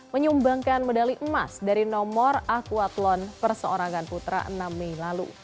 menyumbangkan medali emas dari nomor akuatlon perseorangan putra enam mei lalu